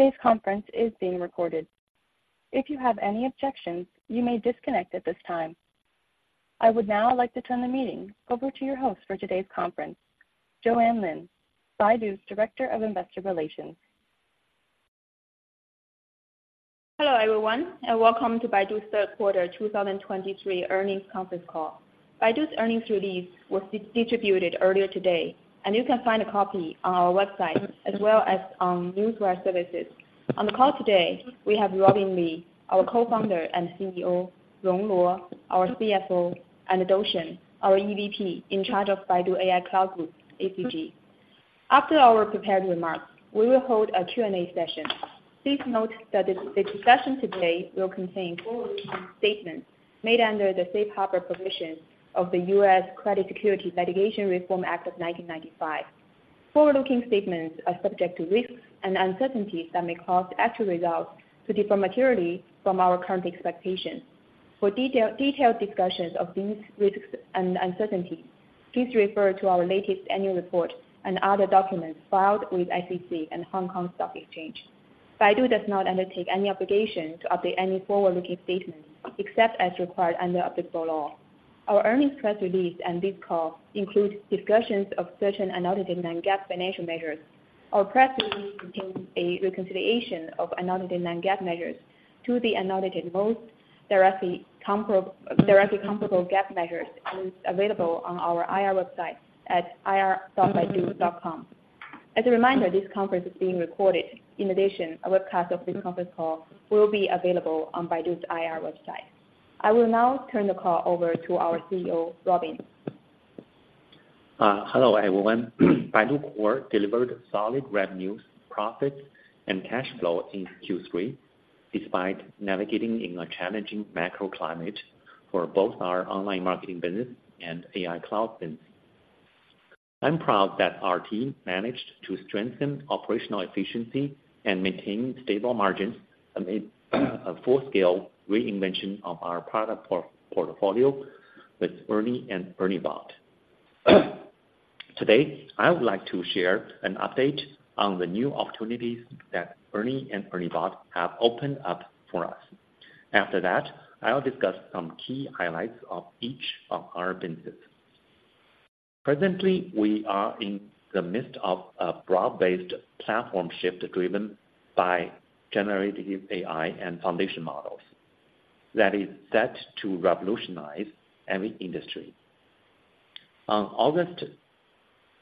Today's conference is being recorded. If you have any objections, you may disconnect at this time. I would now like to turn the meeting over to your host for today's conference, Juan Lin, Baidu's Director of Investor Relations. Hello, everyone, and welcome to Baidu's Third Quarter 2023 Earnings Conference Call. Baidu's earnings release was distributed earlier today, and you can find a copy on our website as well as on newswire services. On the call today, we have Robin Li, our Co-Founder and CEO, Rong Luo, our CFO, and Dou Shen, our EVP, in charge of Baidu AI Cloud Group, ACG. After our prepared remarks, we will hold a Q&A session. Please note that the discussion today will contain forward-looking statements made under the safe harbor provisions of the U.S. Private Securities Litigation Reform Act of 1995. Forward-looking statements are subject to risks and uncertainties that may cause actual results to differ materially from our current expectations. For detailed discussions of these risks and uncertainties, please refer to our latest annual report and other documents filed with SEC and Hong Kong Stock Exchange. Baidu does not undertake any obligation to update any forward-looking statements, except as required under applicable law. Our earnings press release and this call includes discussions of certain non-GAAP financial measures. Our press release contains a reconciliation of certain non-GAAP measures to the most directly comparable GAAP measures and is available on our IR website at ir.baidu.com. As a reminder, this conference is being recorded. In addition, a webcast of this conference call will be available on Baidu's IR website. I will now turn the call over to our CEO, Robin. Hello, everyone. Baidu Core delivered solid revenues, profits, and cash flow in Q3, despite navigating in a challenging macroclimate for both our online marketing business and AI Cloud business. I'm proud that our team managed to strengthen operational efficiency and maintain stable margins amid a full-scale reinvention of our product portfolio with ERNIE and ERNIE Bot. Today, I would like to share an update on the new opportunities that ERNIE and ERNIE Bot have opened up for us. After that, I'll discuss some key highlights of each of our businesses. Presently, we are in the midst of a broad-based platform shift, driven by generative AI and foundation models that is set to revolutionize every industry. On August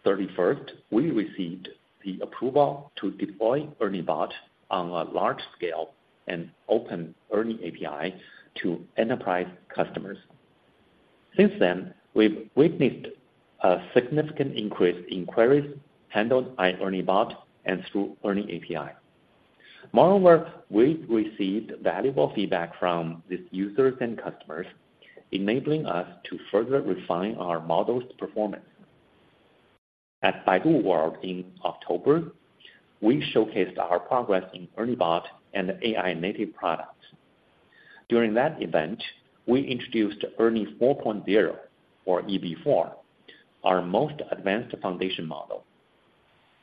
31st, we received the approval to deploy ERNIE Bot on a large scale and open ERNIE API to enterprise customers. Since then, we've witnessed a significant increase in queries handled by ERNIE Bot and through ERNIE API. Moreover, we've received valuable feedback from these users and customers, enabling us to further refine our model's performance. At Baidu World in October, we showcased our progress in ERNIE Bot and AI-native products. During that event, we introduced ERNIE 4.0 or EB4, our most advanced foundation model.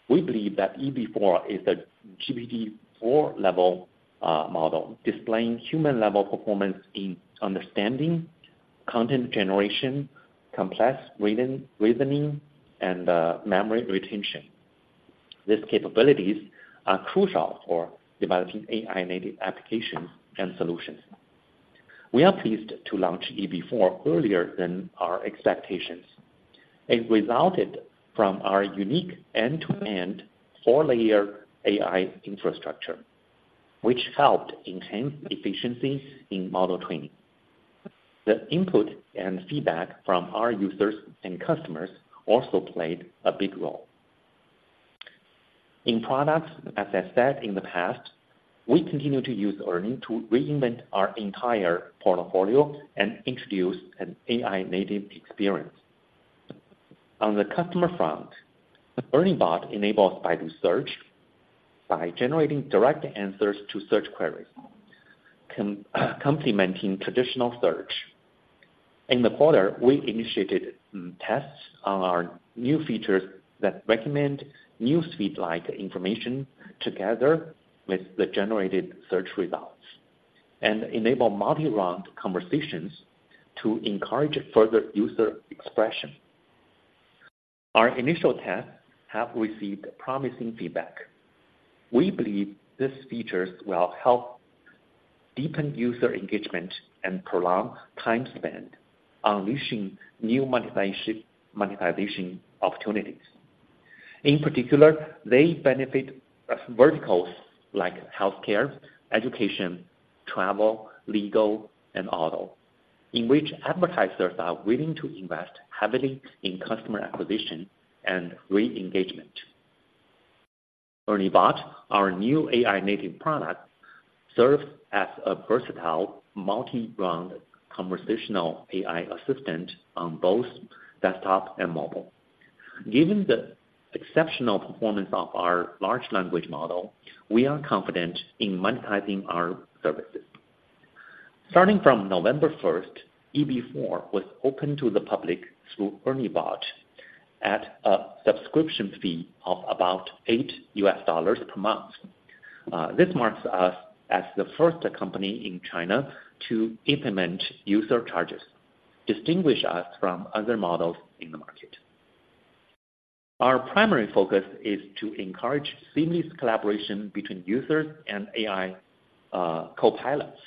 We believe that EB4 is a GPT-4 level model, displaying human-level performance in understanding, content generation, complex reason, reasoning, and memory retention. These capabilities are crucial for developing AI-native applications and solutions. We are pleased to launch EB4 earlier than our expectations. It resulted from our unique end-to-end four-layer AI infrastructure, which helped enhance efficiency in model training. The input and feedback from our users and customers also played a big role. In products, as I said in the past, we continue to use ERNIE to reinvent our entire portfolio and introduce an AI-native experience. On the customer front, ERNIE Bot enables Baidu's search by generating direct answers to search queries, complementing traditional search. In the quarter, we initiated tests on our new features that recommend newsfeed-like information together with the generated search results, and enable multi-round conversations to encourage further user expression. Our initial tests have received promising feedback. We believe these features will help deepen user engagement and prolong time spent, unleashing new monetization opportunities. In particular, they benefit verticals like healthcare, education, travel, legal, and auto, in which advertisers are willing to invest heavily in customer acquisition and re-engagement. ERNIE Bot, our new AI-native product, serves as a versatile multi-round conversational AI assistant on both desktop and mobile. Given the exceptional performance of our large language model, we are confident in monetizing our services. Starting from November 1st, EB4 was open to the public through ERNIE Bot at a subscription fee of about $8 per month. This marks us as the first company in China to implement user charges, distinguish us from other models in the market. Our primary focus is to encourage seamless collaboration between users and AI copilots,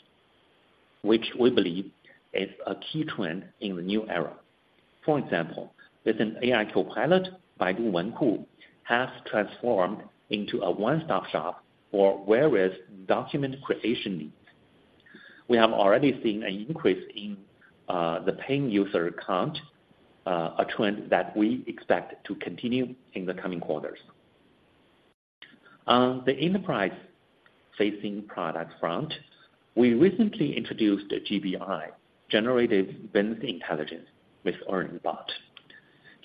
which we believe is a key trend in the new era. For example, with an AI copilot, Baidu Wenku has transformed into a one-stop shop for various document creation needs. We have already seen an increase in the paying user count, a trend that we expect to continue in the coming quarters. On the enterprise-facing product front, we recently introduced the GBI, Generative Business Intelligence, with ERNIE Bot.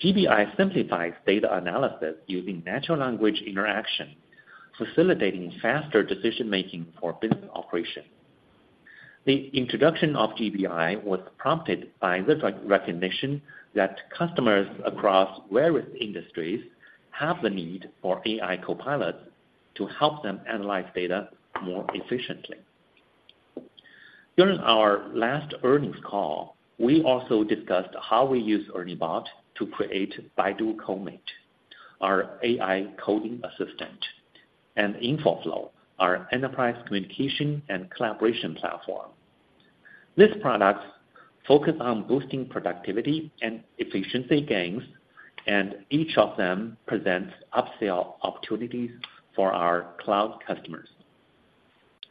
GBI simplifies data analysis using natural language interaction, facilitating faster decision-making for business operation. The introduction of GBI was prompted by this recognition that customers across various industries have the need for AI copilots to help them analyze data more efficiently. During our last earnings call, we also discussed how we use ERNIE Bot to create Baidu Comate, our AI coding assistant, and InfoFlow, our enterprise communication and collaboration platform. These products focus on boosting productivity and efficiency gains, and each of them presents upsell opportunities for our cloud customers.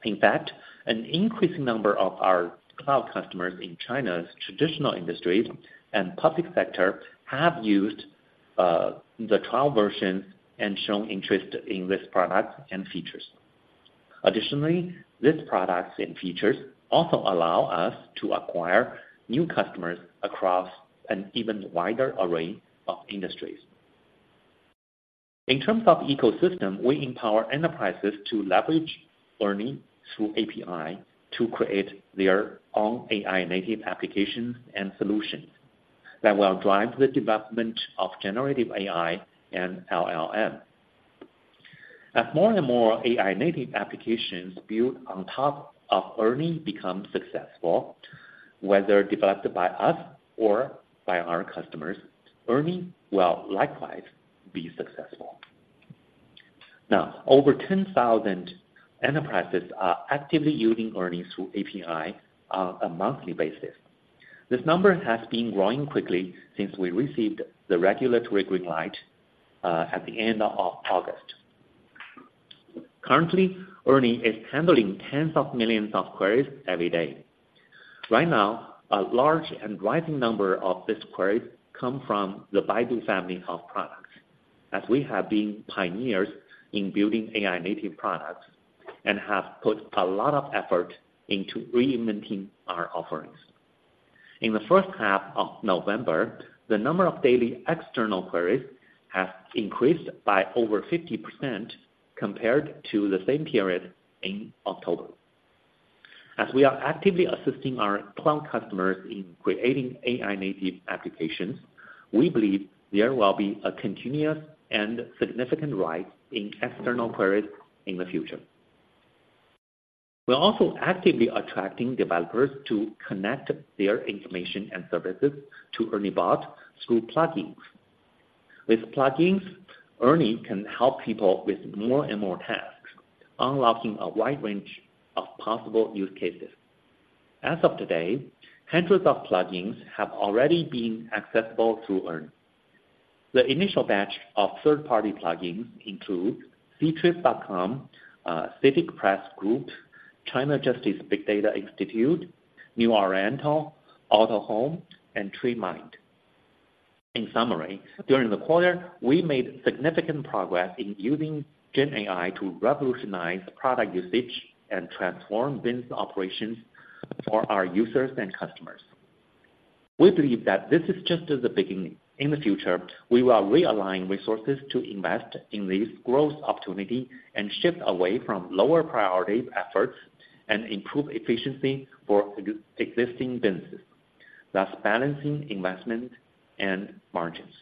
In fact, an increasing number of our cloud customers in China's traditional industries and public sector have used the trial version and shown interest in this product and features. Additionally, these products and features also allow us to acquire new customers across an even wider array of industries. In terms of ecosystem, we empower enterprises to leverage ERNIE through API to create their own AI-native applications and solutions that will drive the development of generative AI and LLM. As more and more AI-native applications built on top of ERNIE become successful, whether developed by us or by our customers, ERNIE will likewise be successful. Now, over 10,000 enterprises are actively using ERNIE through API on a monthly basis. This number has been growing quickly since we received the regulatory green light at the end of August. Currently, ERNIE is handling tens of millions of queries every day. Right now, a large and rising number of these queries come from the Baidu family of products, as we have been pioneers in building AI-native products and have put a lot of effort into reinventing our offerings. In the first half of November, the number of daily external queries has increased by over 50% compared to the same period in October. As we are actively assisting our cloud customers in creating AI-native applications, we believe there will be a continuous and significant rise in external queries in the future. We're also actively attracting developers to connect their information and services to ERNIE Bot through plugins. With plugins, Ernie can help people with more and more tasks, unlocking a wide range of possible use cases. As of today, hundreds of plugins have already been accessible to Ernie. The initial batch of third-party plugins include Ctrip.com, CITIC Press Group, China Justice Big Data Institute, New Oriental, Autohome, and TreeMind. In summary, during the quarter, we made significant progress in using GenAI to revolutionize product usage and transform business operations for our users and customers. We believe that this is just the beginning. In the future, we will realign resources to invest in this growth opportunity and shift away from lower priority efforts and improve efficiency for existing businesses, thus balancing investment and margins.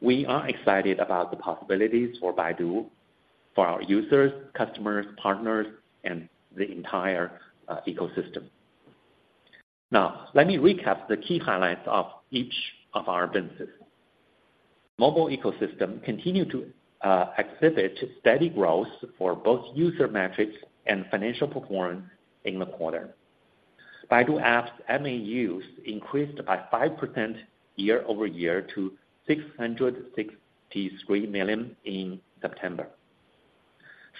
We are excited about the possibilities for Baidu, for our users, customers, partners, and the entire ecosystem. Now, let me recap the key highlights of each of our businesses. Mobile ecosystem continued to exhibit steady growth for both user metrics and financial performance in the quarter. Baidu App MAUs increased by 5% year-over-year to 663 million in September.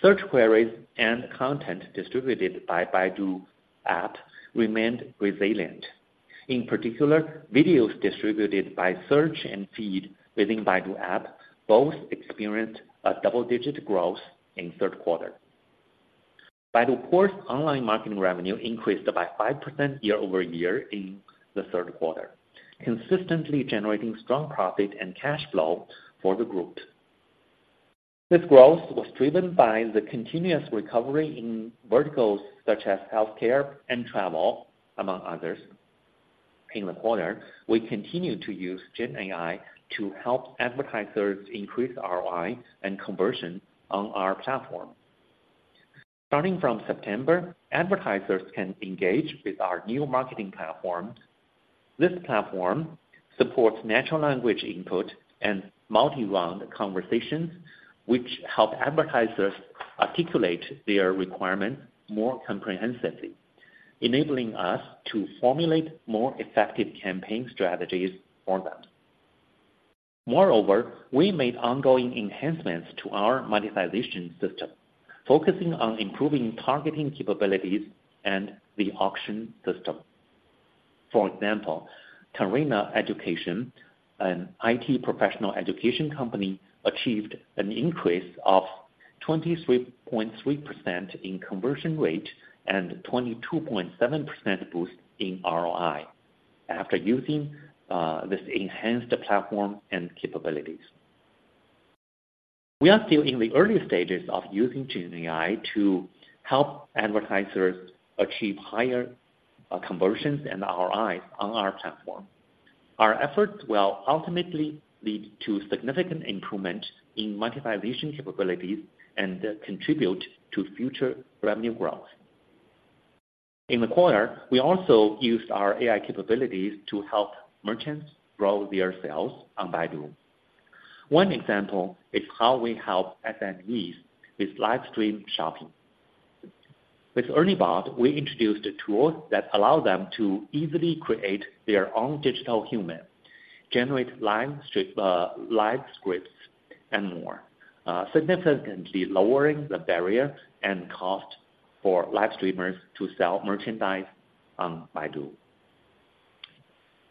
Search queries and content distributed by Baidu App remained resilient. In particular, videos distributed by search and feed within Baidu App both experienced a double-digit growth in third quarter. Baidu Core online marketing revenue increased by 5% year-over-year in the third quarter, consistently generating strong profit and cash flow for the group. This growth was driven by the continuous recovery in verticals such as healthcare and travel, among others. In the quarter, we continued to use GenAI to help advertisers increase ROI and conversion on our platform. Starting from September, advertisers can engage with our new marketing platform. This platform supports natural language input and multi-round conversations, which help advertisers articulate their requirements more comprehensively, enabling us to formulate more effective campaign strategies for them. Moreover, we made ongoing enhancements to our monetization system, focusing on improving targeting capabilities and the auction system. For example, Tarena Education, an IT professional education company, achieved an increase of 23.3% in conversion rate and 22.7% boost in ROI after using this enhanced platform and capabilities. We are still in the early stages of using GenAI to help advertisers achieve higher conversions and ROIs on our platform. Our efforts will ultimately lead to significant improvement in monetization capabilities and contribute to future revenue growth. In the quarter, we also used our AI capabilities to help merchants grow their sales on Baidu. One example is how we help SMEs with live stream shopping. With ERNIE Bot, we introduced a tool that allow them to easily create their own digital human, generate live scripts and more, significantly lowering the barrier and cost for live streamers to sell merchandise on Baidu.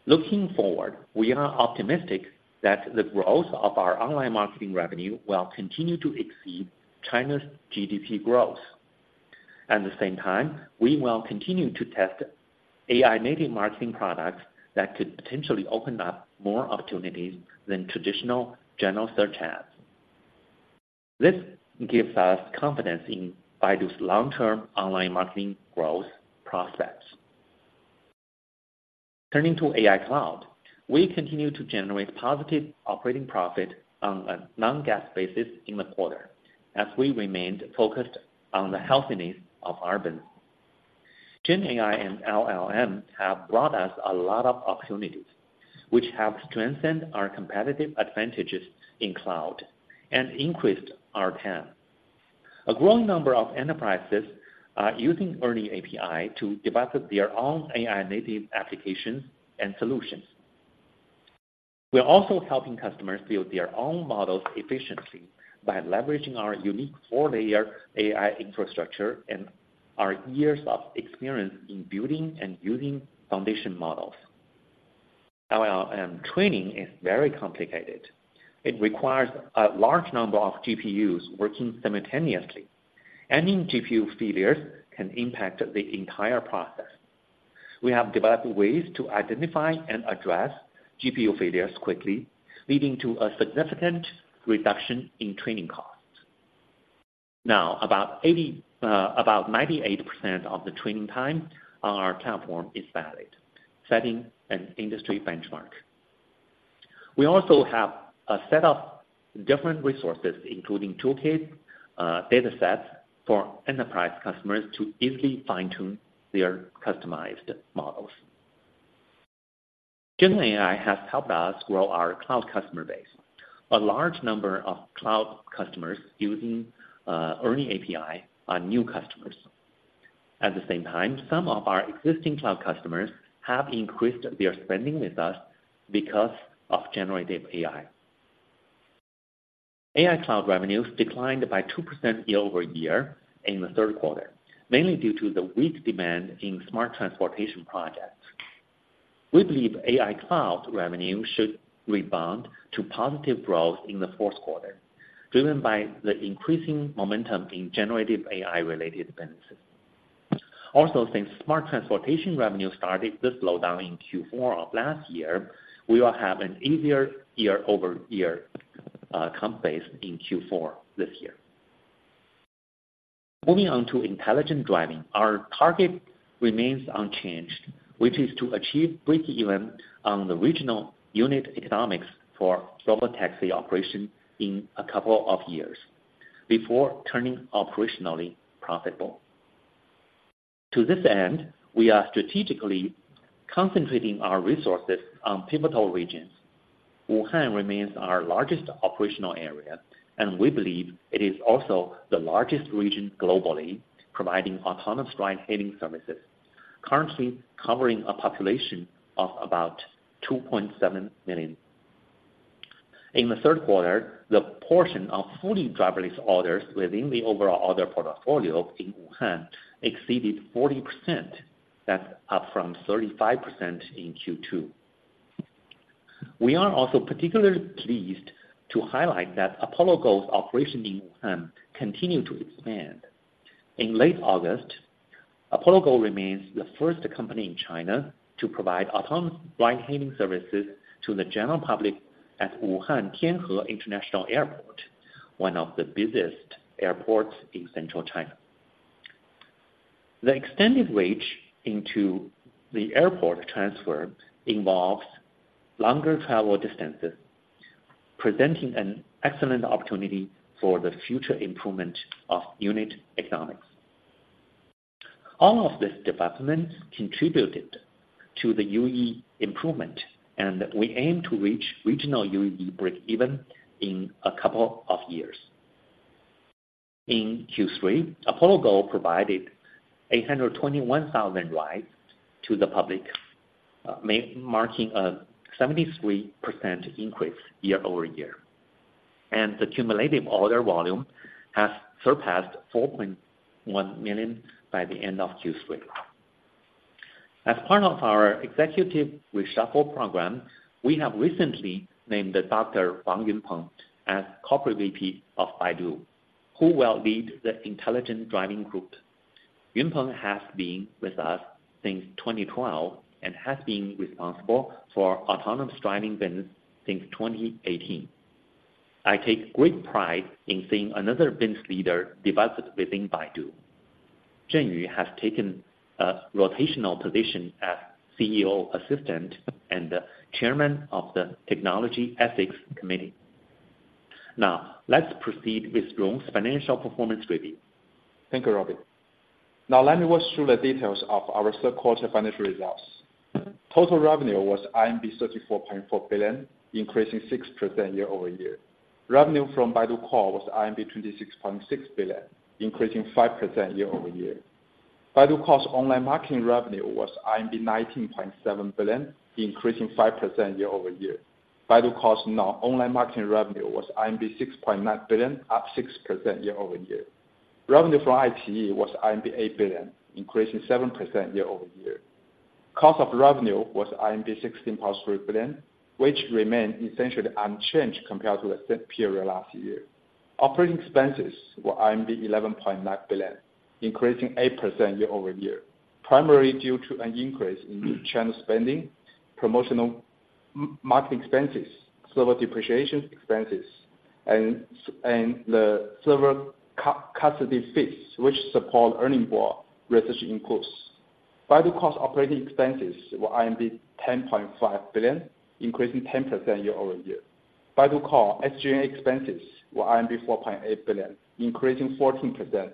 Looking forward, we are optimistic that the growth of our online marketing revenue will continue to exceed China's GDP growth. At the same time, we will continue to test AI-native marketing products that could potentially open up more opportunities than traditional general search ads. This gives us confidence in Baidu's long-term online marketing growth prospects. Turning to AI Cloud, we continue to generate positive operating profit on a non-GAAP basis in the quarter, as we remained focused on the healthiness of our business. GenAI and LLM have brought us a lot of opportunities, which have strengthened our competitive advantages in cloud and increased our TAM. A growing number of enterprises are using ERNIE API to develop their own AI-native applications and solutions. We are also helping customers build their own models efficiently by leveraging our unique four-layer AI infrastructure and our years of experience in building and using foundation models. LLM training is very complicated. It requires a large number of GPUs working simultaneously. Any GPU failures can impact the entire process. We have developed ways to identify and address GPU failures quickly, leading to a significant reduction in training costs. Now, about 80%, about 98% of the training time on our platform is valid, setting an industry benchmark. We also have a set of different resources, including toolkit, data sets, for enterprise customers to easily fine-tune their customized models. GenAI has helped us grow our cloud customer base. A large number of cloud customers using ERNIE API are new customers. At the same time, some of our existing cloud customers have increased their spending with us because of generative AI. AI Cloud revenues declined by 2% year-over-year in the third quarter, mainly due to the weak demand in smart transportation projects. We believe AI Cloud revenue should rebound to positive growth in the fourth quarter, driven by the increasing momentum in generative AI-related benefits. Also, since smart transportation revenue started this slowdown in Q4 of last year, we will have an easier year-over-year comp base in Q4 this year. Moving on to intelligent driving. Our target remains unchanged, which is to achieve breakeven on the regional unit economics for robotaxi operation in a couple of years before turning operationally profitable. To this end, we are strategically concentrating our resources on pivotal regions. Wuhan remains our largest operational area, and we believe it is also the largest region globally, providing autonomous ride-hailing services, currently covering a population of about 2.7 million. In the third quarter, the portion of fully driverless orders within the overall order portfolio in Wuhan exceeded 40%. That's up from 35% in Q2. We are also particularly pleased to highlight that Apollo Go's operation in Wuhan continued to expand. In late August, Apollo Go remains the first company in China to provide autonomous ride-hailing services to the general public at Wuhan Tianhe International Airport, one of the busiest airports in central China. The extended reach into the airport transfer involves longer travel distances, presenting an excellent opportunity for the future improvement of unit economics. All of this development contributed to the UE improvement, and we aim to reach regional UE breakeven in a couple of years. In Q3, Apollo Go provided 821,000 rides to the public, marking a 73% increase year-over-year, and the cumulative order volume has surpassed 4.1 million by the end of Q3. As part of our executive reshuffle program, we have recently named Dr. Wang Yunpeng as Corporate VP of Baidu, who will lead the intelligent driving group. Yunpeng has been with us since 2012 and has been responsible for autonomous driving business since 2018. I take great pride in seeing another business leader developed within Baidu. Zhenyu has taken a rotational position as CEO Assistant and Chairman of the Technology Ethics Committee. Now, let's proceed with Rong's financial performance review. Thank you, Robin. Now let me walk through the details of our third quarter financial results. Total revenue was 34.4 billion, increasing 6% year-over-year. Revenue from Baidu Core was 26.6 billion, increasing 5% year-over-year. Baidu Core's online marketing revenue was 19.7 billion, increasing 5% year-over-year. Baidu Core's non online marketing revenue was 6.9 billion, up 6% year-over-year. Revenue from iQIYI was 8 billion, increasing 7% year-over-year. Cost of revenue was 16.3 billion, which remained essentially unchanged compared to the same period last year. Operating expenses were 11.9 billion, increasing 8% year-over-year, primarily due to an increase in channel spending, promotional market expenses, server depreciation expenses, and the server custody fees, which support ERNIE Bot research increase. Baidu Core's operating expenses were 10.5 billion, increasing 10% year-over-year. Baidu Core SG&A expenses were 4.8 billion, increasing 14%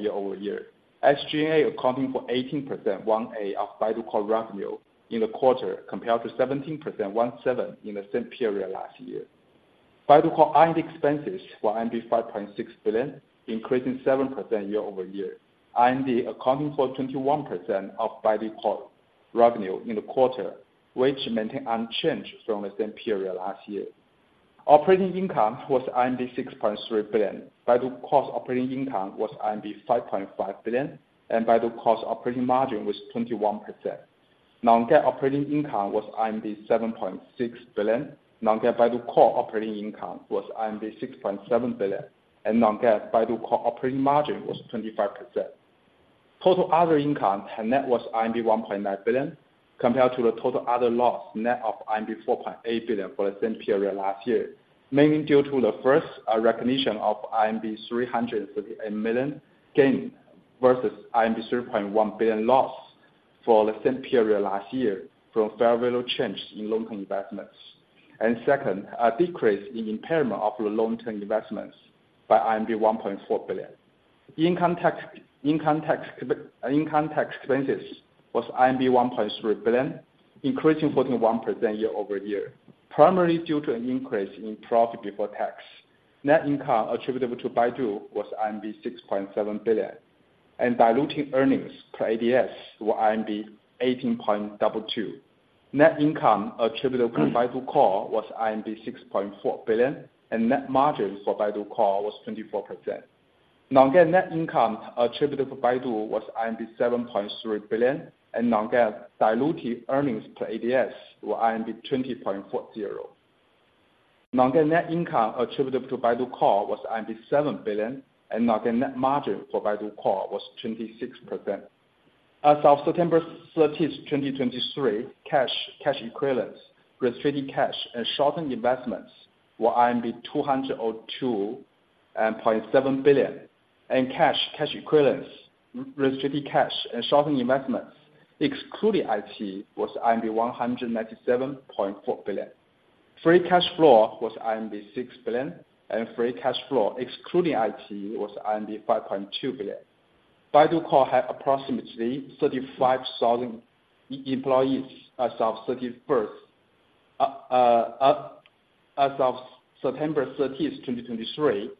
year-over-year. SG&A accounting for 18% of Baidu Core revenue in the quarter, compared to 17% in the same period last year. Baidu Core R&D expenses were CNY 5.6 billion, increasing 7% year-over-year, R&D accounting for 21% of Baidu Core revenue in the quarter, which maintained unchanged from the same period last year. Operating income was 6.3 billion. Baidu Core's operating income was 5.5 billion, and Baidu Core's operating margin was 21%. Non-GAAP operating income was 7.6 billion. Non-GAAP Baidu Core operating income was 6.7 billion, and non-GAAP Baidu Core operating margin was 25%. Total other income and net was 1.9 billion, compared to the total other loss, net of 4.8 billion for the same period last year, mainly due to the first recognition of 338 million gain versus 3.1 billion loss for the same period last year from fair value change in long-term investments, and second, a decrease in impairment of the long-term investments by 1.4 billion. Income tax, income tax, income tax expenses was 1.3 billion, increasing 41% year-over-year, primarily due to an increase in profit before tax. Net income attributable to Baidu was 6.7 billion, and diluted earnings per ADS were 18.22. Net income attributable to Baidu Core was 6.4 billion, and net margins for Baidu Core was 24%. Non-GAAP net income attributable to Baidu was 7.3 billion, and non-GAAP diluted earnings per ADS were 20.40. Non-GAAP net income attributable to Baidu Core was 7 billion, and non-GAAP net margin for Baidu Core was 26%. As of September 13, 2023, cash, cash equivalents, restricted cash, and short-term investments were 202.7 billion, and cash, cash equivalents, restricted cash, and short-term investments, excluding IT, was 197.4 billion. Free cash flow was 6 billion, and free cash flow, excluding IT, was 5.2 billion. Baidu Core had approximately 35,000 employees as of September 13, 2023.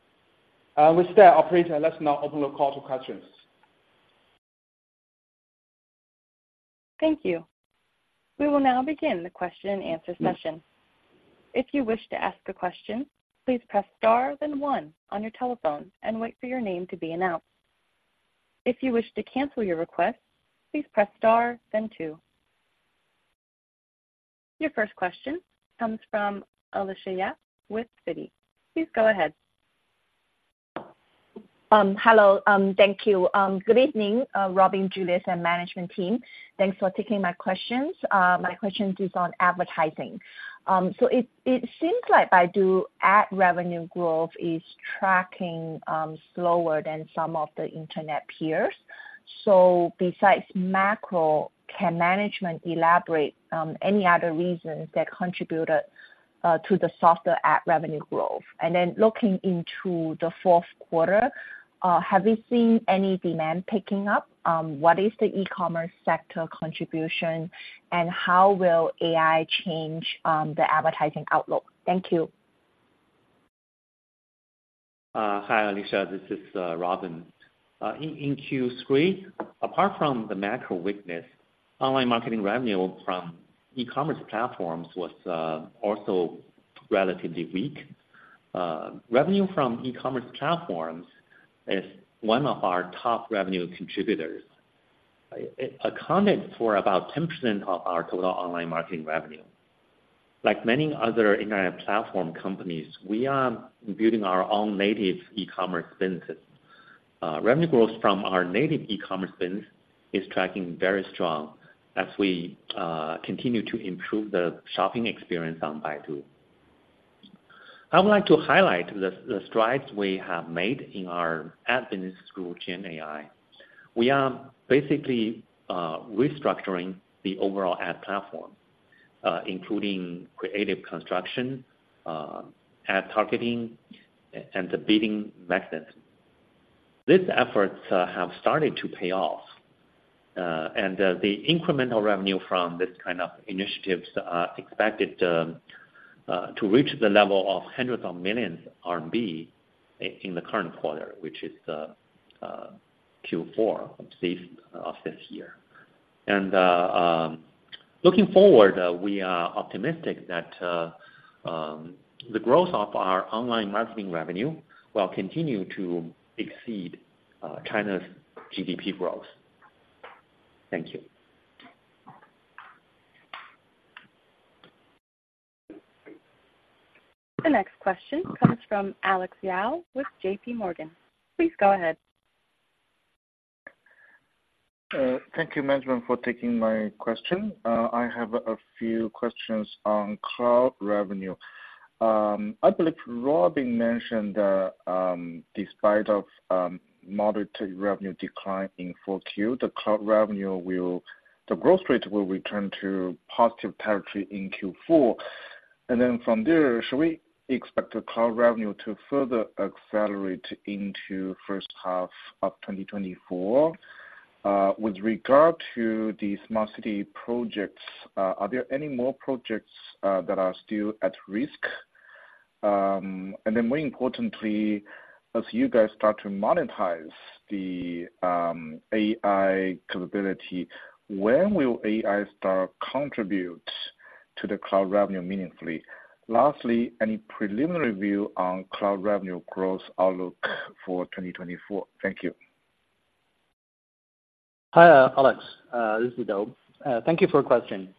With that, operator, let's now open the call to questions. Thank you. We will now begin the question and answer session. If you wish to ask a question, please press star then one on your telephone and wait for your name to be announced. If you wish to cancel your request, please press star then two. Your first question comes from Alicia Yap with Citi. Please go ahead. Hello. Thank you. Good evening, Robin, Julius, and management team. Thanks for taking my questions. My questions is on advertising. So it seems like Baidu ad revenue growth is tracking slower than some of the internet peers. So besides macro, can management elaborate on any other reasons that contributed to the softer ad revenue growth? And then looking into the fourth quarter, have you seen any demand picking up? What is the e-commerce sector contribution, and how will AI change the advertising outlook? Thank you. Hi, Alicia, this is Robin. In Q3, apart from the macro weakness, online marketing revenue from e-commerce platforms was also relatively weak. Revenue from e-commerce platforms is one of our top revenue contributors. It accounted for about 10% of our total online marketing revenue. Like many other internet platform companies, we are building our own native e-commerce business. Revenue growth from our native e-commerce business is tracking very strong as we continue to improve the shopping experience on Baidu. I would like to highlight the strides we have made in our ad business through GenAI. We are basically restructuring the overall ad platform, including creative construction, ad targeting, and the bidding methods. These efforts have started to pay off, and the incremental revenue from this kind of initiatives are expected to reach the level of hundreds of millions Chinese yuan in the current quarter, which is Q4 of this year. And looking forward, we are optimistic that the growth of our online marketing revenue will continue to exceed China's GDP growth. Thank you. The next question comes from Alex Yao with JPMorgan. Please go ahead. Thank you, management, for taking my question. I have a few questions on cloud revenue. I believe Robin mentioned that, despite of moderate revenue decline in 4Q, the growth rate will return to positive territory in Q4. And then from there, should we expect the cloud revenue to further accelerate into first half of 2024? With regard to the smart city projects, are there any more projects that are still at risk? And then more importantly, as you guys start to monetize the AI capability, when will AI start contribute to the cloud revenue meaningfully? Lastly, any preliminary view on cloud revenue growth outlook for 2024? Thank you. Hi, Alex. This is Dou. Thank you for your question.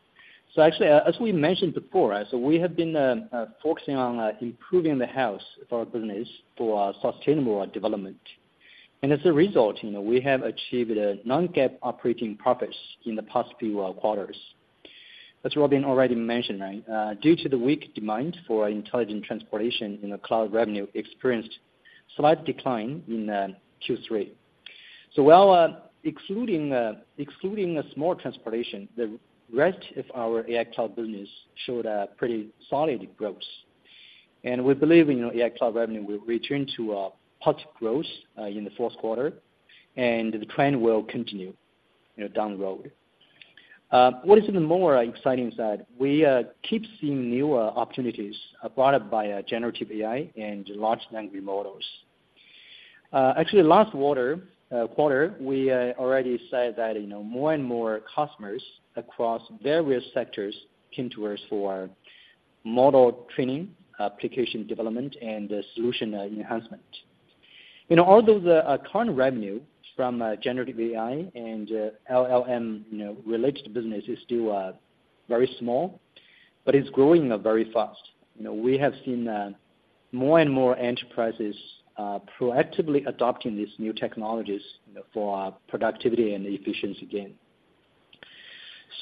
So actually, as we mentioned before, so we have been focusing on improving the health of our business for a sustainable development. And as a result, you know, we have achieved a non-GAAP operating profits in the past few quarters. As Robin already mentioned, right, due to the weak demand for intelligent transportation, you know, cloud revenue experienced slight decline in Q3. So while excluding excluding a small transportation, the rest of our AI Cloud business showed a pretty solid growth. And we believe, you know, AI Cloud revenue will return to positive growth in the fourth quarter, and the trend will continue, you know, down the road. What is even more exciting is that we keep seeing new opportunities brought up by generative AI and large language models. Actually, last quarter, we already said that, you know, more and more customers across various sectors came to us for model training, application development, and solution enhancement. You know, although the current revenue from generative AI and LLM, you know, related business is still very small, but it's growing very fast. You know, we have seen more and more enterprises proactively adopting these new technologies for productivity and efficiency gain.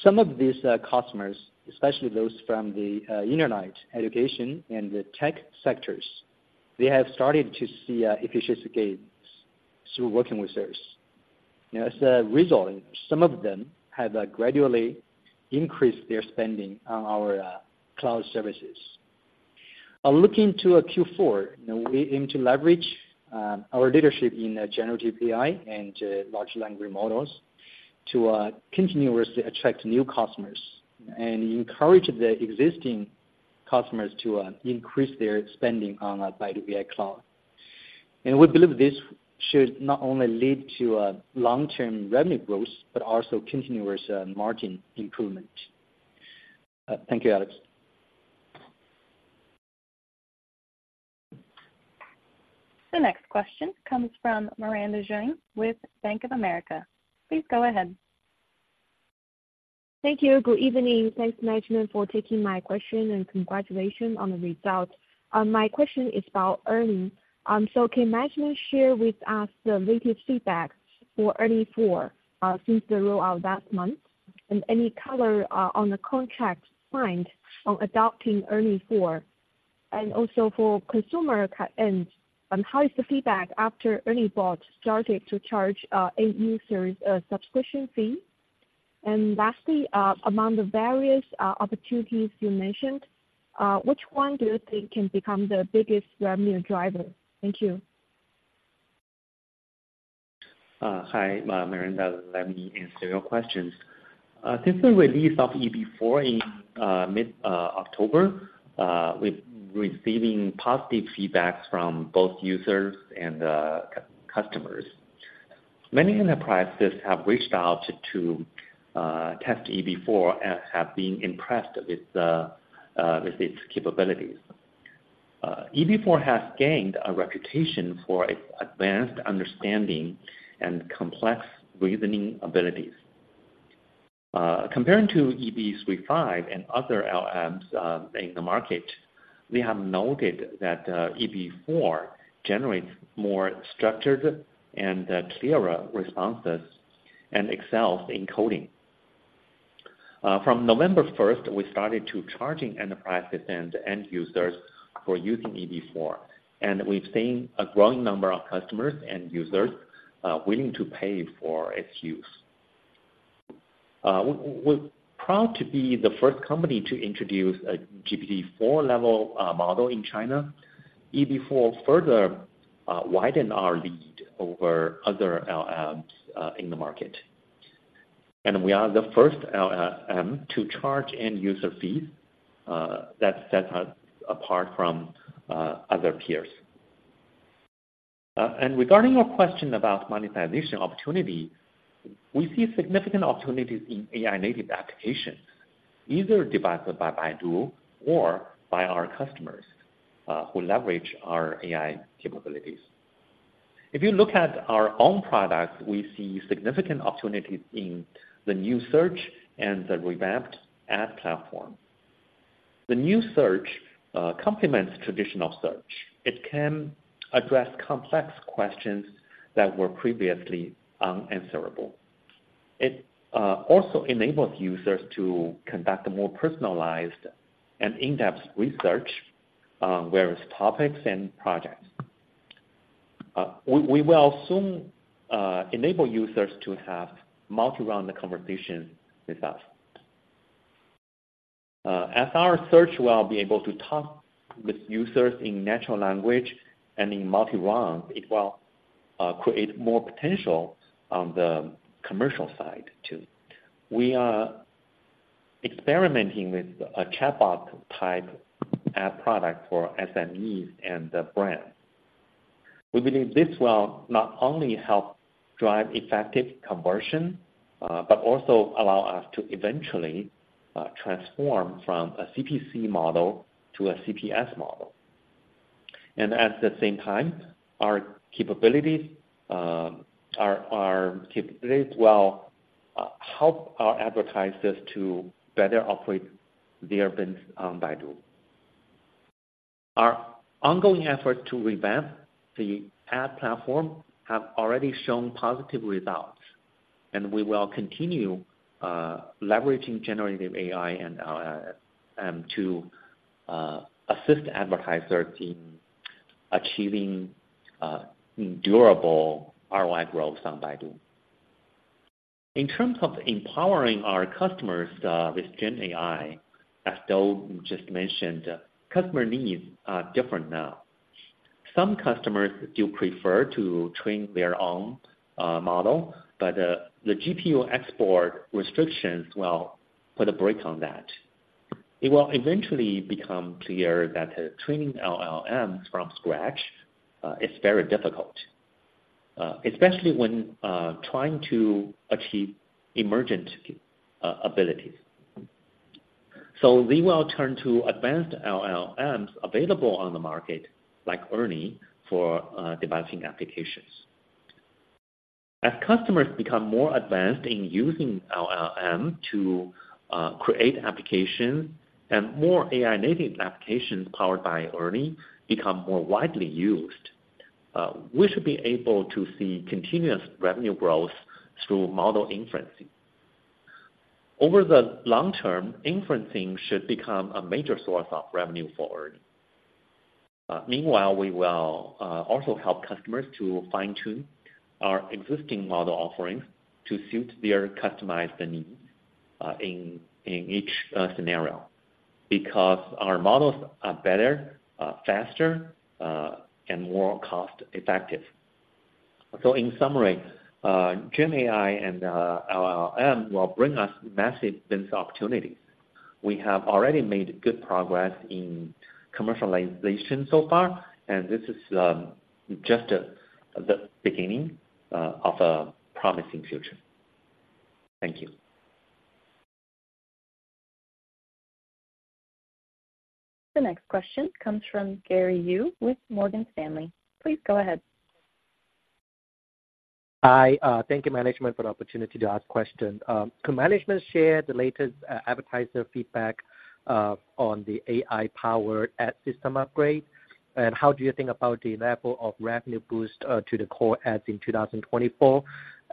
Some of these customers, especially those from the internet, education, and the tech sectors, they have started to see efficiency gains through working with us. You know, as a result, some of them have gradually increased their spending on our cloud services. Looking to Q4, you know, we aim to leverage our leadership in generative AI and large language models to continuously attract new customers and encourage the existing customers to increase their spending on Baidu AI Cloud. And we believe this should not only lead to long-term revenue growth, but also continuous margin improvement. Thank you, Alex. The next question comes from Miranda Zhuang with Bank of America. Please go ahead. Thank you. Good evening. Thanks, management, for taking my question and congratulations on the results. My question is about ERNIE. So can management share with us the latest feedback for ERNIE 4.0 since the rollout last month? And any color on the contract signed on adopting ERNIE 4.0, and also for consumer end, and how is the feedback after ERNIE Bot started to charge end users a subscription fee? And lastly, among the various opportunities you mentioned, which one do you think can become the biggest revenue driver? Thank you. Hi, Miranda. Let me answer your questions. Since the release of EB4 in mid October, we're receiving positive feedbacks from both users and customers. Many enterprises have reached out to test EB4 and have been impressed with its capabilities. EB4 has gained a reputation for its advanced understanding and complex reasoning abilities. Comparing to EB 3.5 and other LLMs in the market, we have noted that EB4 generates more structured and clearer responses and excels in coding. From November 1st, we started to charging enterprises and end users for using EB4, and we've seen a growing number of customers and users willing to pay for its use. We're proud to be the first company to introduce a GPT-4-level model in China. EB4 further widened our lead over other LLMs in the market, and we are the first LLM to charge end user fees that sets us apart from other peers. Regarding your question about monetization opportunity, we see significant opportunities in AI-native applications, either developed by Baidu or by our customers who leverage our AI capabilities. If you look at our own products, we see significant opportunities in the new search and the revamped ad platform. The new search complements traditional search. It can address complex questions that were previously unanswerable. It also enables users to conduct a more personalized and in-depth research various topics and projects. We will soon enable users to have multi-round conversations with us. As our search will be able to talk with users in natural language and in multi-round, it will create more potential on the commercial side, too. We are experimenting with a chatbot-type ad product for SMEs and the brand. We believe this will not only help drive effective conversion, but also allow us to eventually transform from a CPC model to a CPS model. At the same time, our capabilities will help our advertisers to better operate their business on Baidu. Our ongoing effort to revamp the ad platform have already shown positive results, and we will continue leveraging generative AI to assist advertisers in achieving durable ROI growth on Baidu. In terms of empowering our customers with GenAI, as Dou just mentioned, customer needs are different now. Some customers do prefer to train their own model, but the GPU export restrictions will put a brake on that. It will eventually become clear that training LLMs from scratch is very difficult, especially when trying to achieve emergent capabilities. So we will turn to advanced LLMs available on the market, like ERNIE, for developing applications. As customers become more advanced in using LLM to create applications and more AI-native applications powered by ERNIE become more widely used, we should be able to see continuous revenue growth through model inferencing. Over the long term, inferencing should become a major source of revenue for ERNIE. Meanwhile, we will also help customers to fine-tune our existing model offerings to suit their customized needs, in each scenario, because our models are better, faster, and more cost effective. So in summary, GenAI and LLM will bring us massive business opportunities. We have already made good progress in commercialization so far, and this is just the beginning of a promising future. Thank you. The next question comes from Gary Yu with Morgan Stanley. Please go ahead. Hi, thank you management for the opportunity to ask question. Could management share the latest, advertiser feedback, on the AI-powered ad system upgrade? And how do you think about the level of revenue boost, to the core ads in 2024,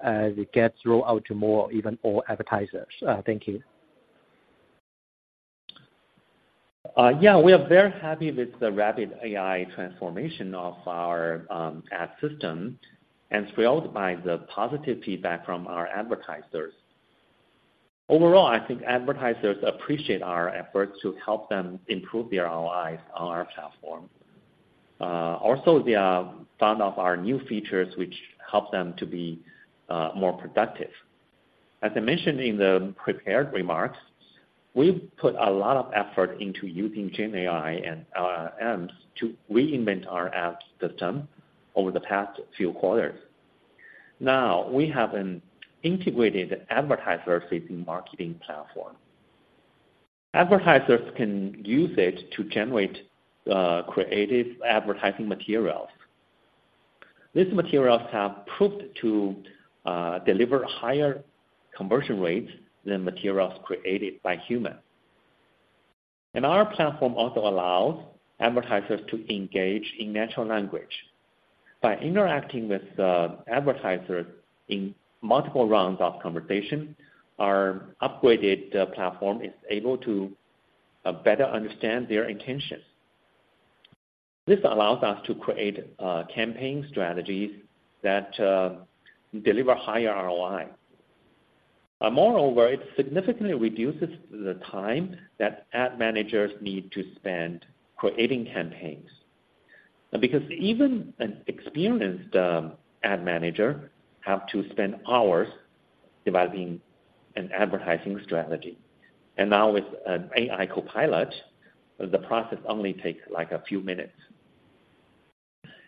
as it gets rolled out to more, even all advertisers? Thank you. Yeah, we are very happy with the rapid AI transformation of our ad system and thrilled by the positive feedback from our advertisers. Overall, I think advertisers appreciate our efforts to help them improve their ROIs on our platform. Also, they found out our new features, which help them to be more productive. As I mentioned in the prepared remarks, we've put a lot of effort into using GenAI and LLMs to reinvent our ads system over the past few quarters. Now, we have an integrated advertiser-facing marketing platform. Advertisers can use it to generate creative advertising materials. These materials have proved to deliver higher conversion rates than materials created by humans. And our platform also allows advertisers to engage in natural language. By interacting with the advertisers in multiple rounds of conversation, our upgraded platform is able to better understand their intentions. This allows us to create campaign strategies that deliver higher ROI. Moreover, it significantly reduces the time that ad managers need to spend creating campaigns. Because even an experienced ad manager have to spend hours developing an advertising strategy, and now with an AI copilot, the process only takes, like, a few minutes.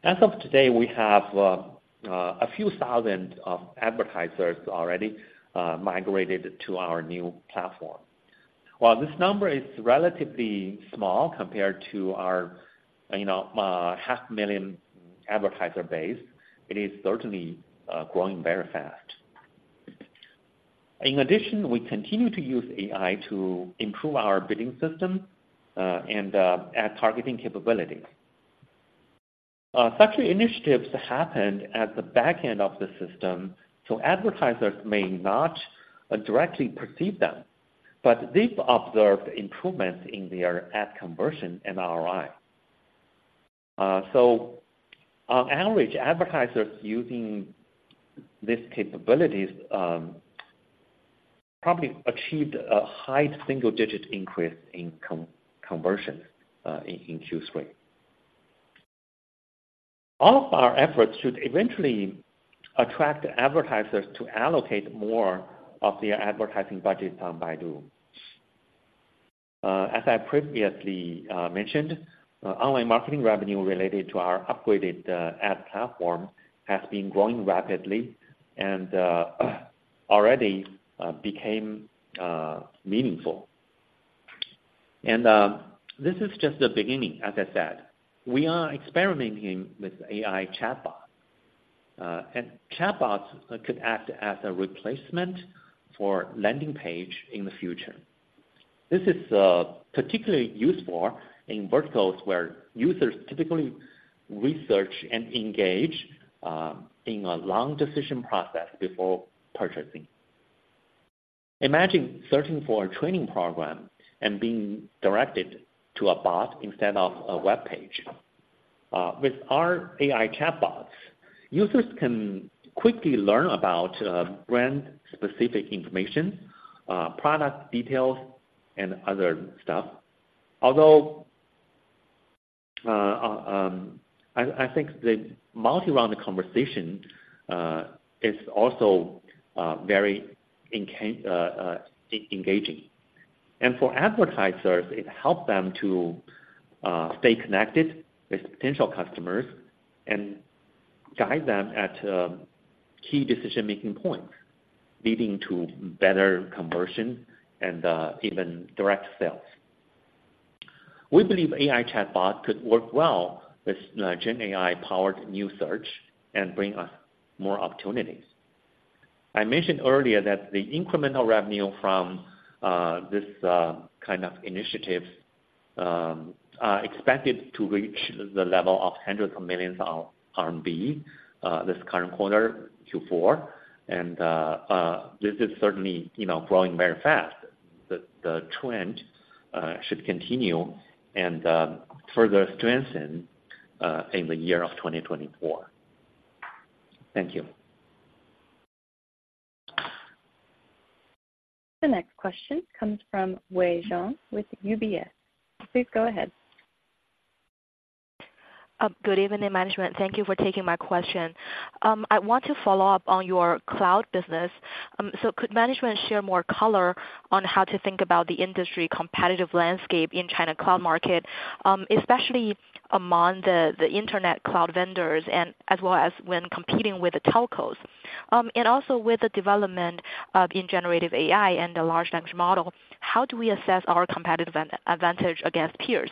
As of today, we have a few thousand of advertisers already migrated to our new platform. While this number is relatively small compared to our, you know, 500,000 advertiser base, it is certainly growing very fast. In addition, we continue to use AI to improve our bidding system and ad targeting capabilities. Such initiatives happened at the back end of the system, so advertisers may not directly perceive them, but they've observed improvements in their ad conversion and ROI. So on average, advertisers using these capabilities probably achieved a high single-digit increase in conversion in Q3. All of our efforts should eventually attract advertisers to allocate more of their advertising budget on Baidu. As I previously mentioned, online marketing revenue related to our upgraded ad platform has been growing rapidly and already became meaningful. And this is just the beginning, as I said. We are experimenting with AI chatbot, and chatbots could act as a replacement for landing page in the future. This is particularly useful in verticals, where users typically research and engage in a long decision process before purchasing. Imagine searching for a training program and being directed to a bot instead of a webpage. With our AI chatbots, users can quickly learn about brand-specific information, product details, and other stuff. Although, I think the multi-round conversation is also very engaging. And for advertisers, it helps them to stay connected with potential customers and guide them at key decision-making points, leading to better conversion and even direct sales. We believe AI chatbot could work well with GenAI-powered new search and bring us more opportunities. I mentioned earlier that the incremental revenue from this kind of initiative are expected to reach the level of CNY hundreds of millions this current quarter, Q4, and this is certainly, you know, growing very fast. The trend should continue and further strengthen in the year of 2024. Thank you. The next question comes from Wei Xiong with UBS. Please go ahead. Good evening, management. Thank you for taking my question. I want to follow up on your Cloud business. So could management share more color on how to think about the industry competitive landscape in China cloud market, especially among the internet cloud vendors and as well as when competing with the telcos? And also with the development in generative AI and the large language model, how do we assess our competitive advantage against peers?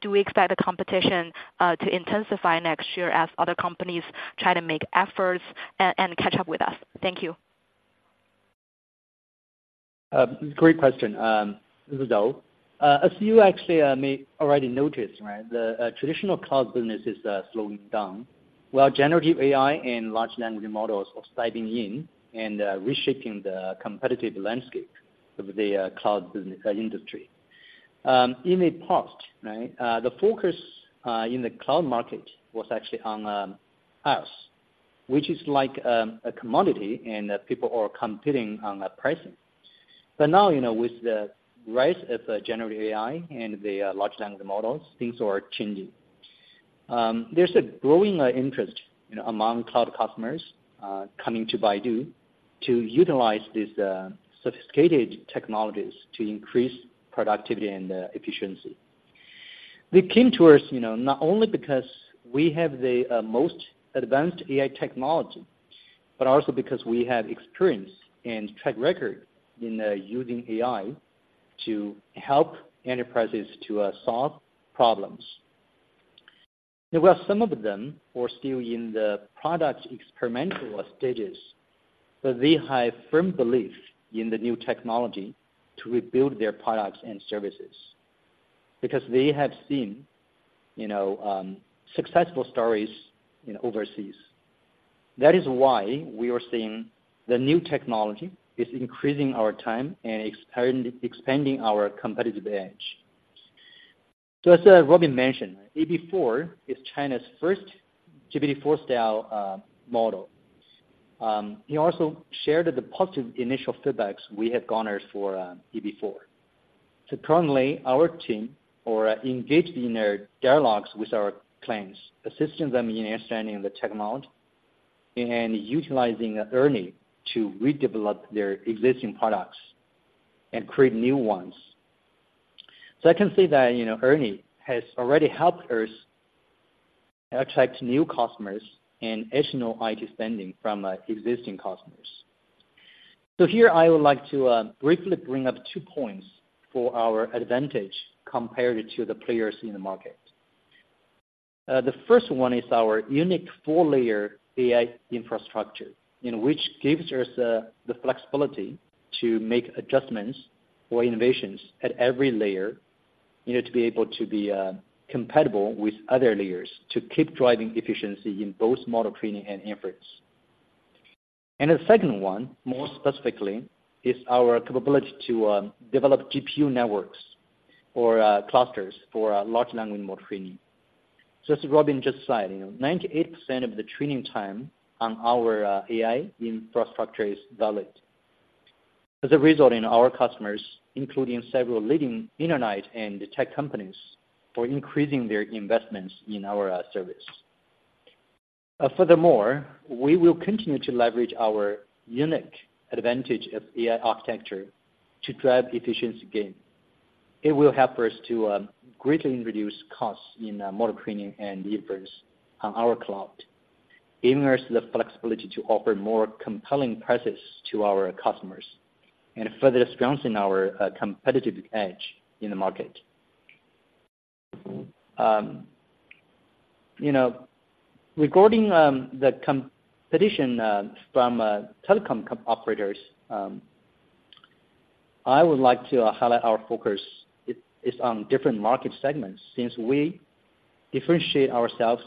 Do we expect the competition to intensify next year as other companies try to make efforts and catch up with us? Thank you. Great question. This is Dou. As you actually may already noticed, right? The traditional Cloud business is slowing down, while generative AI and large language models are sliding in and reshaping the competitive landscape of the cloud business industry. In the past, right, the focus in the cloud market was actually on us, which is like a commodity, and people are competing on pricing. But now, you know, with the rise of generative AI and the large language models, things are changing. There's a growing interest, you know, among cloud customers coming to Baidu, to utilize these sophisticated technologies to increase productivity and efficiency. They came to us, you know, not only because we have the most advanced AI technology, but also because we have experience and track record in using AI to help enterprises to solve problems. There were some of them who are still in the product experimental stages, but they have firm belief in the new technology to rebuild their products and services, because they have seen, you know, successful stories, you know, overseas. That is why we are seeing the new technology is increasing our time and expanding our competitive edge. So as Robin mentioned, EB4 is China's first GPT-4 style model. He also shared the positive initial feedbacks we have garnered for EB4. So currently, our team are engaged in a dialogue with our clients, assisting them in understanding the technology, and utilizing ERNIE to redevelop their existing products and create new ones. So I can say that, you know, ERNIE has already helped us attract new customers and additional IT spending from existing customers. So here I would like to briefly bring up two points for our advantage compared to the players in the market. The first one is our unique four-layer AI infrastructure, you know, which gives us the flexibility to make adjustments or innovations at every layer, you know, to be able to be compatible with other layers, to keep driving efficiency in both model training and inference. And the second one, more specifically, is our capability to develop GPU networks or clusters for large language model training. So as Robin just said, you know, 98% of the training time on our AI infrastructure is valid. As a result in our customers, including several leading internet and tech companies, for increasing their investments in our service. Furthermore, we will continue to leverage our unique advantage of AI architecture to drive efficiency gain. It will help us to greatly reduce costs in model training and inference on our cloud, giving us the flexibility to offer more compelling prices to our customers, and further strengthen our competitive edge in the market. You know, regarding the competition from telecom operators, I would like to highlight our focus is on different market segments since we differentiate ourselves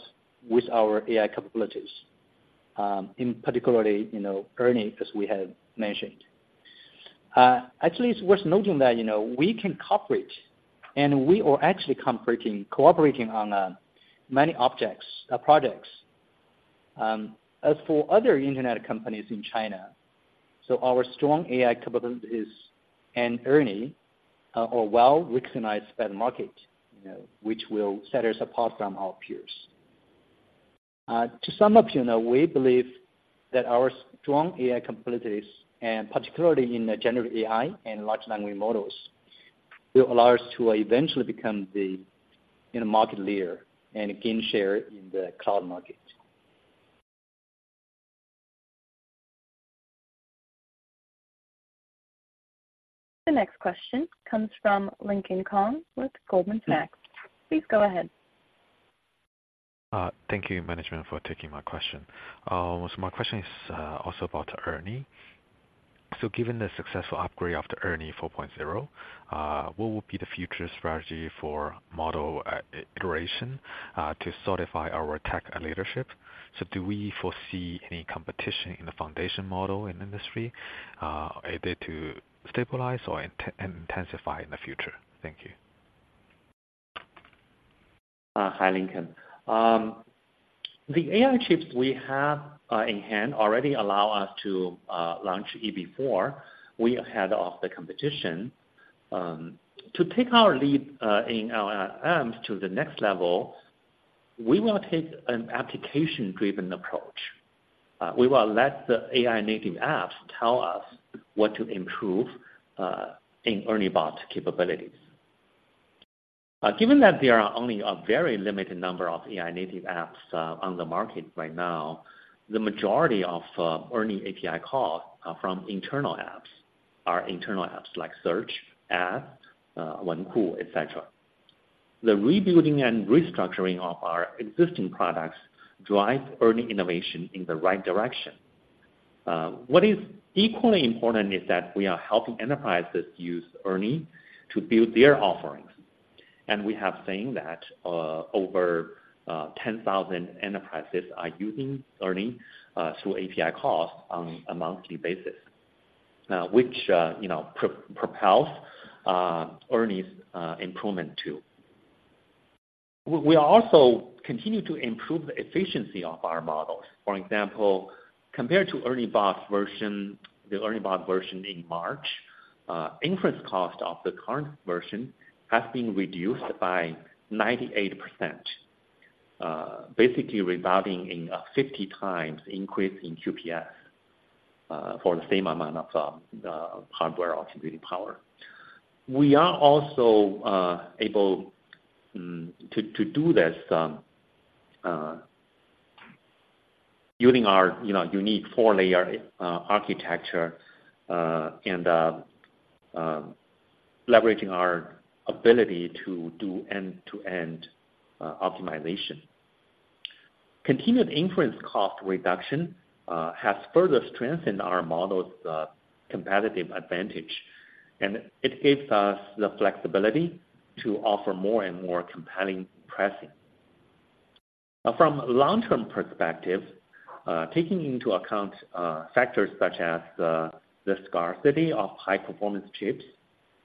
with our AI capabilities, in particular, you know, ERNIE, as we have mentioned. Actually, it's worth noting that, you know, we can cooperate, and we are actually cooperating on many objects, products, as for other internet companies in China. So our strong AI capabilities and ERNIE are well-recognized by the market, you know, which will set us apart from our peers. To sum up, you know, we believe that our strong AI capabilities, and particularly in the generative AI and large language models, will allow us to eventually become the, you know, market leader and gain share in the cloud market. The next question comes from Lincoln Kong with Goldman Sachs. Please go ahead. Thank you, management, for taking my question. So my question is also about ERNIE. So given the successful upgrade of the ERNIE 4.0, what will be the future strategy for model iteration to solidify our tech leadership? So do we foresee any competition in the foundation model in the industry, either to stabilize or intensify in the future? Thank you. Hi, Lincoln. The AI chips we have in hand already allow us to launch EB4. We are ahead of the competition. To take our lead in our arms to the next level, we will take an application-driven approach. We will let the AI native apps tell us what to improve in ERNIE Bot capabilities. Given that there are only a very limited number of AI native apps on the market right now, the majority of ERNIE API calls are from internal apps, our internal apps like Search, Ads, Wenku, et cetera. The rebuilding and restructuring of our existing products drive earning innovation in the right direction. What is equally important is that we are helping enterprises use ERNIE to build their offerings. We have seen that over 10,000 enterprises are using ERNIE through API calls on a monthly basis, which you know propels ERNIE's improvement too. We also continue to improve the efficiency of our models. For example, compared to ERNIE Bot version, the ERNIE Bot version in March, inference cost of the current version has been reduced by 98%, basically resulting in a 50x increase in QPS for the same amount of hardware computing power. We are also able to do this using our, you know, unique four-layer architecture, and leveraging our ability to do end-to-end optimization. Continued inference cost reduction has further strengthened our model's competitive advantage, and it gives us the flexibility to offer more and more compelling pricing. From a long-term perspective, taking into account factors such as the scarcity of high-performance chips,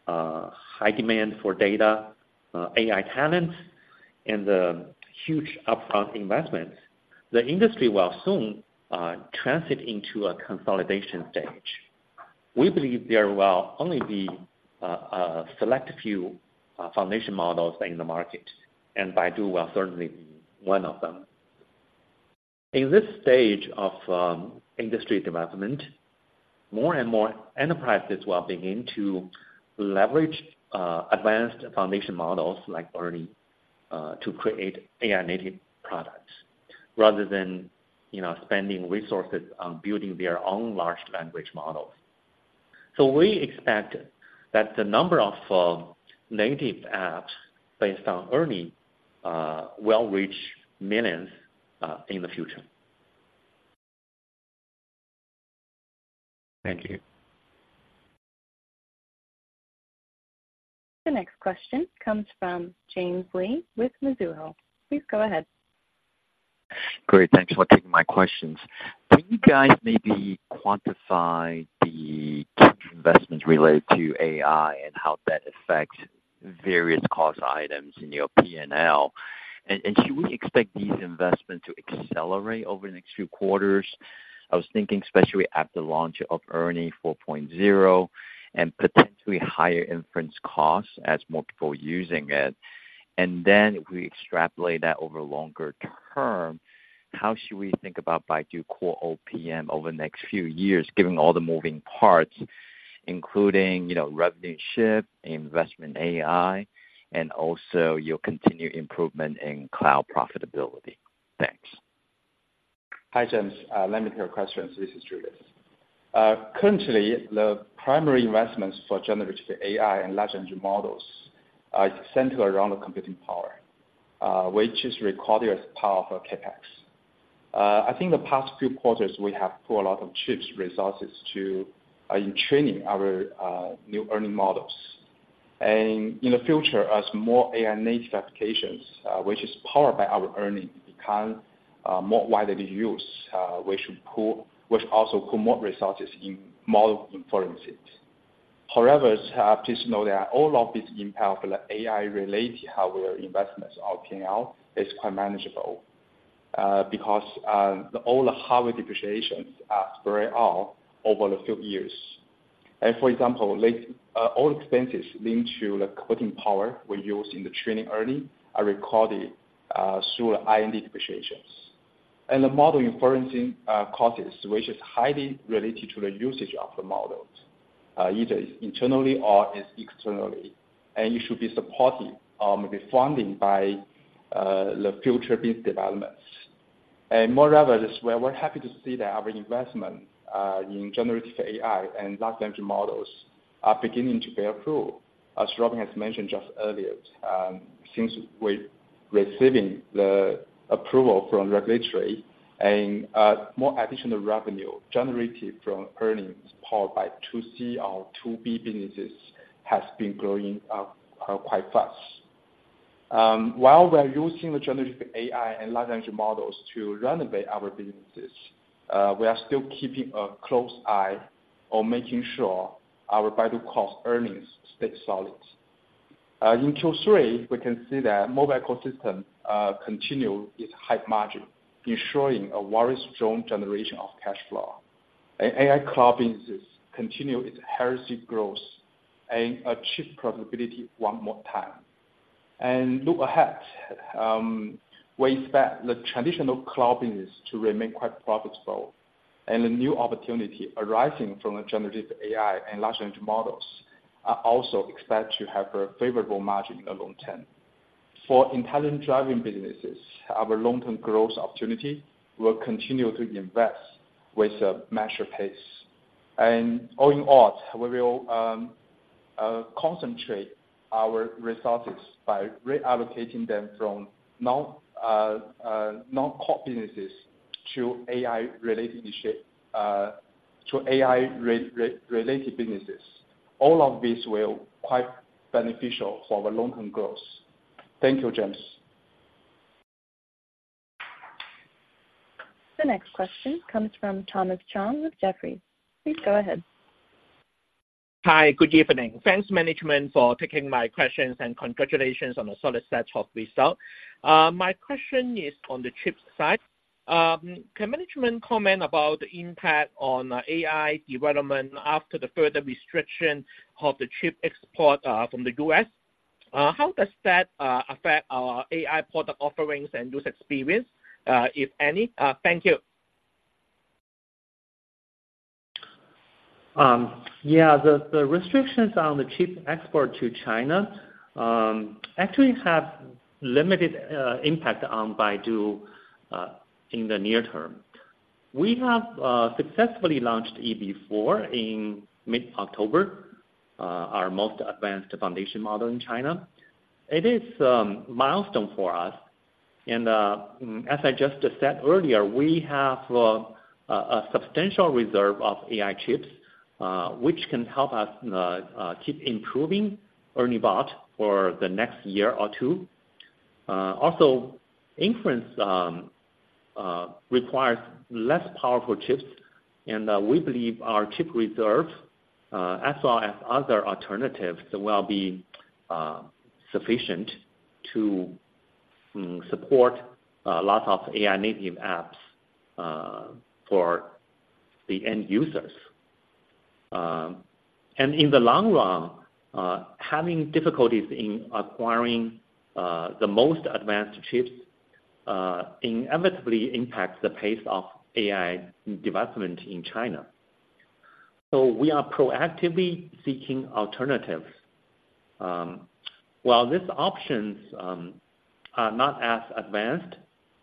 high demand for data, AI talent, and the huge upfront investments, the industry will soon transit into a consolidation stage. We believe there will only be a select few foundation models in the market, and Baidu will certainly be one of them. In this stage of industry development, more and more enterprises will begin to leverage advanced foundation models like ERNIE to create AI-native products, rather than, you know, spending resources on building their own large language models. So we expect that the number of native apps based on ERNIE will reach millions in the future. Thank you. The next question comes from James Lee with Mizuho. Please go ahead. Great, thanks for taking my questions. Can you guys maybe quantify the investment related to AI and how that affects various cost items in your P&L? And should we expect these investments to accelerate over the next few quarters? I was thinking, especially after the launch of ERNIE4.0, and potentially higher inference costs as more people using it. And then if we extrapolate that over longer term, how should we think about Baidu Core OPM over the next few years, given all the moving parts, including, you know, revenue shift, AI investment, and also your continued improvement in cloud profitability? Thanks. Hi, James. Let me take your questions. This is Julius. Currently, the primary investments for generative AI and large language models are centered around the computing power, which is recorded as part of CapEx. I think the past few quarters, we have put a lot of chip resources to in training our new ERNIE models. And in the future, as more AI-native applications, which is powered by our ERNIE, become more widely used, we should, which also put more resources in model inferences. However, please know that all of this impact for the AI-related hardware investments or P&L is quite manageable, because all the hardware depreciations are spread out over a few years. For example, like, all expenses linked to the computing power we use in the training ERNIE are recorded through the R&D depreciation. And the model inference costs, which is highly related to the usage of the models, either internally or externally, and it should be supported with funding by the future business developments. And moreover, as well, we're happy to see that our investment in generative AI and large language models are beginning to bear fruit. As Robin has mentioned just earlier, since we're receiving the approval from regulators and more additional revenue generated from ERNIEs powered by 2C or 2B businesses has been growing quite fast. While we're using the generative AI and large language models to renovate our businesses, we are still keeping a close eye on making sure our Baidu Core earnings stay solid. In Q3, we can see that mobile ecosystem continue its high margin, ensuring a very strong generation of cash flow. AI Cloud businesses continue its healthy growth and achieve profitability one more time. Look ahead, we expect the traditional cloud business to remain quite profitable, and the new opportunity arising from the generative AI and large language models are also expected to have a favorable margin in the long term. For intelligent driving businesses, our long-term growth opportunity will continue to invest with a measured pace. All in all, we will concentrate our resources by reallocating them from non-core businesses to AI-related businesses. All of these will be quite beneficial for our long-term growth. Thank you, James. The next question comes from Thomas Chong with Jefferies. Please go ahead. Hi. Good evening. Thanks management for taking my questions, and congratulations on a solid set of results. My question is on the chip side. Can management comment about the impact on AI development after the further restriction of the chip export from the U.S.? How does that affect our AI product offerings and user experience, if any? Thank you. Yeah, the restrictions on the chip export to China actually have limited impact on Baidu in the near term. We have successfully launched EB4 in mid-October, our most advanced foundation model in China. It is a milestone for us, and as I just said earlier, we have a substantial reserve of AI chips, which can help us keep improving ERNIE Bot for the next year or two. Also, inference requires less powerful chips, and we believe our chip reserve, as well as other alternatives, will be sufficient to support a lot of AI-native apps for the end users. And in the long run, having difficulties in acquiring the most advanced chips inevitably impacts the pace of AI development in China. So we are proactively seeking alternatives. While these options are not as advanced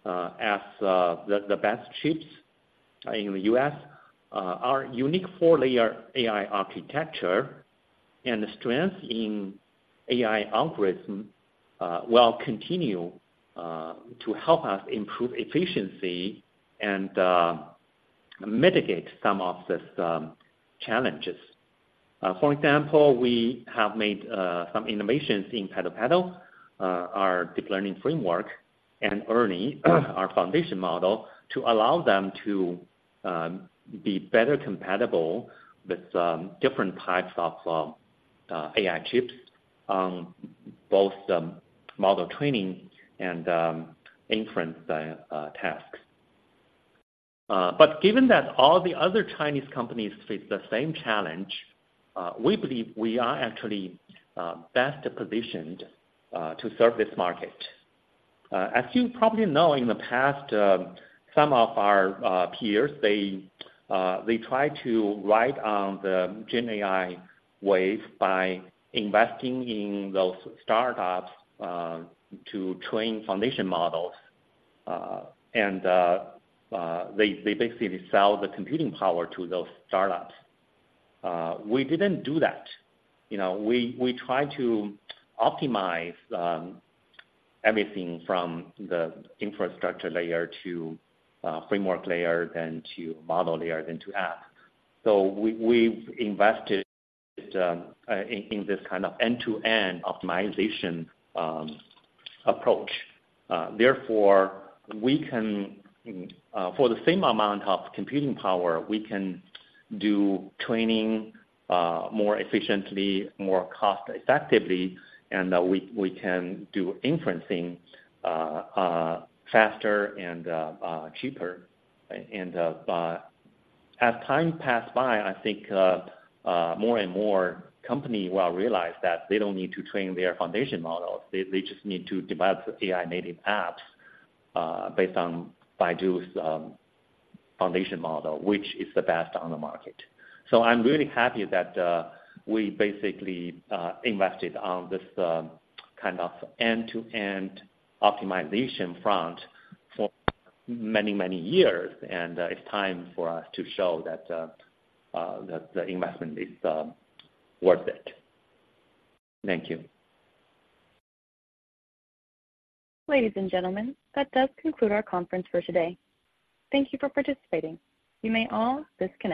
as the best chips in the U.S., our unique four-layer AI architecture and strength in AI algorithm will continue to help us improve efficiency and mitigate some of these challenges. For example, we have made some innovations in PaddlePaddle, our deep learning framework, and ERNIE, our foundation model, to allow them to be better compatible with different types of AI chips on both model training and inference tasks. But given that all the other Chinese companies face the same challenge, we believe we are actually best positioned to serve this market. As you probably know, in the past, some of our peers, they, they tried to ride on the GenAI wave by investing in those startups to train foundation models. They basically sell the computing power to those startups. We didn't do that. You know, we tried to optimize everything from the infrastructure layer to framework layer, then to model layer, then to app. So we've invested in this kind of end-to-end optimization approach. Therefore, we can, for the same amount of computing power, we can do training more efficiently, more cost effectively, and we can do inferencing faster and cheaper. As time passes by, I think more and more company will realize that they don't need to train their foundation models. They just need to develop AI-native apps based on Baidu's foundation model, which is the best on the market. So I'm really happy that we basically invested on this kind of end-to-end optimization front for many, many years, and it's time for us to show that the investment is worth it. Thank you. Ladies and gentlemen, that does conclude our conference for today. Thank you for participating. You may all disconnect.